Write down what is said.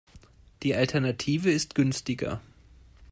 Die Alternative ist günstiger.